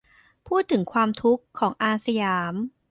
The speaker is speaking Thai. พูดถึงความทุกข์ของ "อาสยาม"